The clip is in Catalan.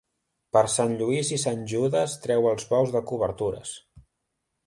Per Sant Lluís i Sant Judes treu els bous de cobertures.